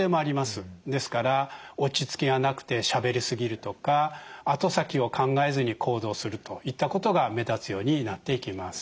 ですから落ち着きがなくてしゃべり過ぎるとか後先を考えずに行動するといったことが目立つようになっていきます。